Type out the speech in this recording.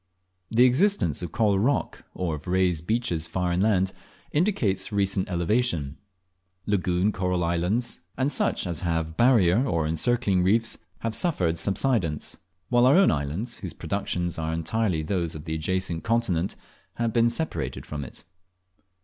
The existence of coral rock, or of raised beaches far inland, indicates recent elevation; lagoon coral islands, and such as have barrier or encircling reefs, have suffered subsidence; while our own islands, whose productions are entirely those of the adjacent continent, have been separated from it.